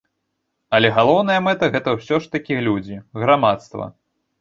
Але галоўная мэта гэта ўсё ж такі людзі, грамадства.